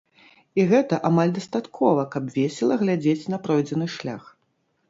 І гэта амаль дастаткова, каб весела глядзець на пройдзены шлях.